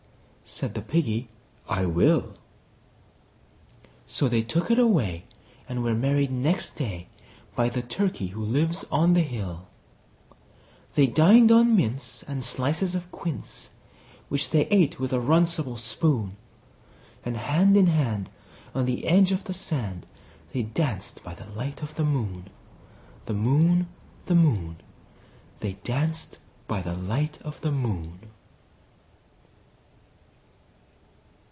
Said the Piggy, "I will." So they took it away, and were married next day By the Turkey who lives on the hill. They dined on mince and slices of quince, Which they ate with a runcible spoon; And hand in hand, on the edge of the sand, They danced by the light of the moon, The moon, The moon, They danced by the light of the moon.